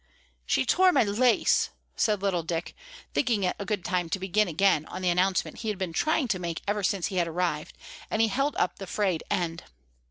"She tore my lace," said little Dick, thinking it a good time to begin again on the announcement he had been trying to make ever since he had arrived, and he held up the frayed end.